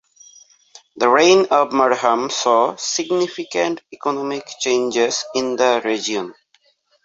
The reign of Marhum saw significant economic changes in the region.